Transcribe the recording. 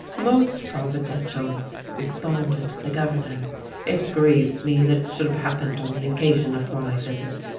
" Most providential," responded the Governor. " It ■grieves me that it should have happened on the occa sion of my visit.